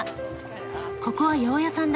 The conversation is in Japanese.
ここは八百屋さんだ。